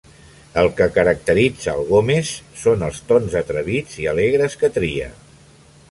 El que caracteritza el Gómez són els tons atrevits i alegres que tria.